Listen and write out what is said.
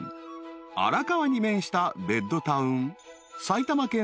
［荒川に面したベッドタウン］